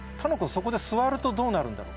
そこで座るとどうなるんだろう？